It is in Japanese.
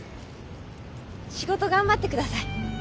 仕事頑張ってください。